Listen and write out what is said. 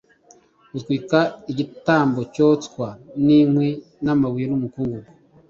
utwika igitambo cyoswa n’inkwi n’amabuye n’umukungugu